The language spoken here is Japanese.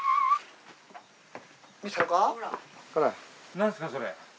なんですかそれ。